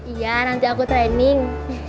iya nanti aku training